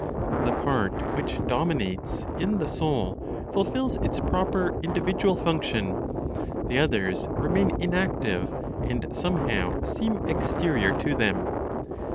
The part which dominates in the soul fulfills its proper individual function; the others remain inactive, and somehow seem exterior to them.